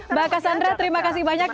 mbak cassandra terima kasih banyak